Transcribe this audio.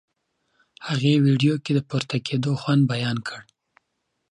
هغې ویډیو کې د پورته کېدو خوند بیان کړ.